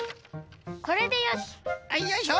これでよし！